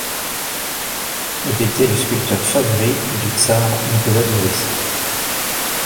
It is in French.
Il était le sculpteur favori du tsar Nicolas de Russie.